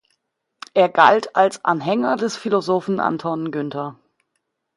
Er galt als Anhänger des Philosophen Anton Günther.